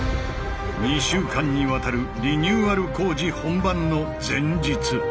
２週間にわたるリニューアル工事本番の前日。